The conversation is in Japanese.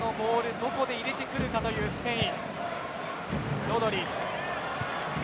どこで入れてくるかというスペイン。